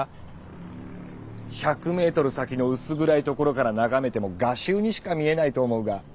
１００メートル先の薄暗い所から眺めても画集にしか見えないと思うが。